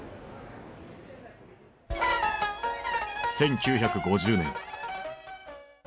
１９５０年。